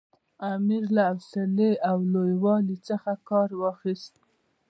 امیر له حوصلې او لوی والي څخه کار واخیست.